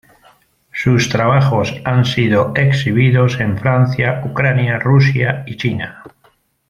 Sus trabajos han sido exhibidos en Francia, Ucrania, Rusia y China.